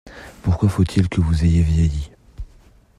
Pourquoi faut-il que vous ayez vieilli?